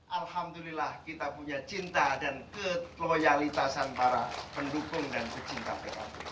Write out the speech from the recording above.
alhamdulillah kita punya cinta dan keloyalitasan para pendukung dan pecinta pkb